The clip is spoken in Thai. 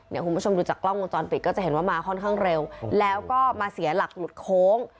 คุณผู้ชมดูจากกล้องวงจรปิดก็จะเห็นว่ามาค่อนข้างเร็วแล้วก็มาเสียหลักหลุดโค้ง